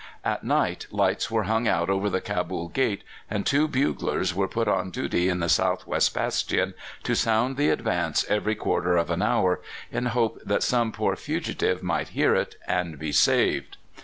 At night lights were hung out over the Cabul gate, and two buglers were put on duty in the south west bastion to sound the advance every quarter of an hour, in hope that some poor fugitive might hear it and be saved.